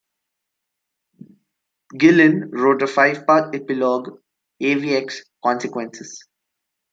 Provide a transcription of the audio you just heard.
Gillen wrote a five-part epilogue, "AvX: Consequences".